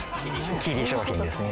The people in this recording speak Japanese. キリ商品ですね。